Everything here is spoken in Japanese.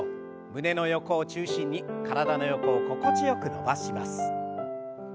胸の横を中心に体の横を心地よく伸ばします。